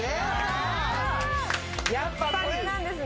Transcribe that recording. やっぱりこれなんですね。